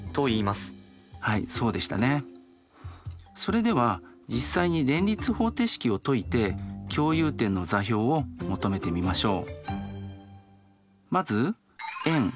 それでは実際に連立方程式を解いて共有点の座標を求めてみましょう。